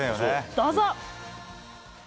どうぞ！